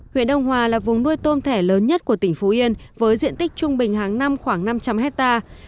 huyện đông hòa là vùng nuôi tôm thẻ lớn nhất của tỉnh phú yên với diện tích trung bình hàng năm khoảng năm trăm linh hectare